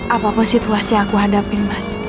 apapun situasi yang aku hadapin mas